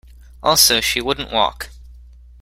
Also, she wouldn't walk.